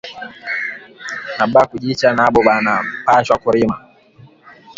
Na ba kujicha nabo bana pashwa ku rima